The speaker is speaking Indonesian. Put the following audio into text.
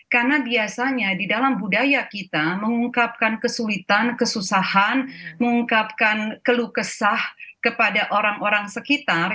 karena biasanya di dalam budaya kita mengungkapkan kesulitan kesusahan mengungkapkan keluh kesah kepada orang orang sekitar